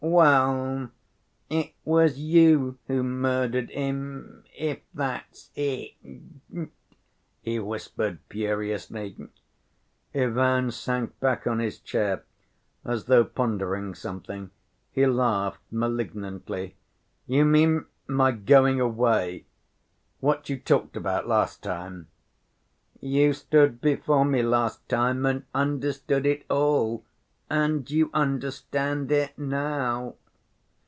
"Well, it was you who murdered him, if that's it," he whispered furiously. Ivan sank back on his chair, as though pondering something. He laughed malignantly. "You mean my going away. What you talked about last time?" "You stood before me last time and understood it all, and you understand it now."